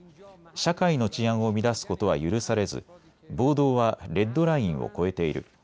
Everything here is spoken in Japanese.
社会の治安を乱すことは許されず暴動はレッドラインを越えている。